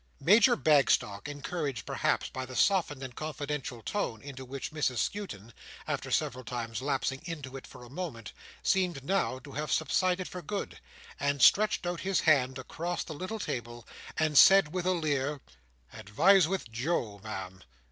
Major Bagstock, encouraged perhaps by the softened and confidential tone into which Mrs Skewton, after several times lapsing into it for a moment, seemed now to have subsided for good, stretched out his hand across the little table, and said with a leer, "Advise with Joe, Ma'am."